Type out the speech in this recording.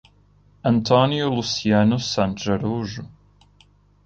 Antônio Luciano Santos Araújo